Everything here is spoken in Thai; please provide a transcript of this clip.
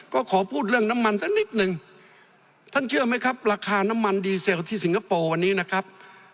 ก็ขอพูดเรื่องน้ำมันสักนิดนึงท่านเชื่อไหมครับราคาน้ำมันดีเซลที่สิงคโปร์วันนี้นะครับ